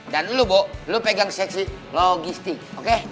dan lo bo lo pegang seksi logistik oke